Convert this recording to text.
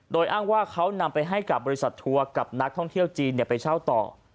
โดยอ้างว่าเขานำไปให้กับบริษัททัวร์กับนักท่องเที่ยวจีนไปเช่าต่อ